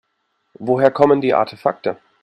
Woher kommen die Artefakte?